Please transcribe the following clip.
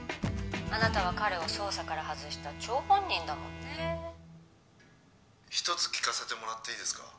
あなたは彼を捜査から外した張本人だもんね一つ聞かせてもらっていいですか？